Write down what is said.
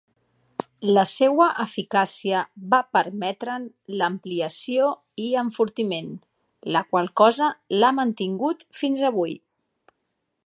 La seua eficàcia va permetre'n l'ampliació i enfortiment, la qual cosa l'ha mantingut fins avui.